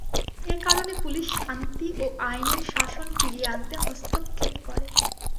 এ কারণে পুলিশ শান্তি ও আইনের শাসন ফিরিয়ে আনতে হস্তক্ষেপ করে।